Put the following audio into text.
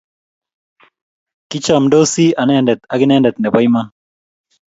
Kichamndosi anendet ak inendet nepo iman.